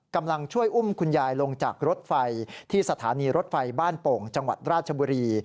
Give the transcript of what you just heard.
กำลังช่วยอุ้มคุณยายลงจากรถไฟที่สถานีรถไฟบ้านโป่งจังหวัดราชบุรี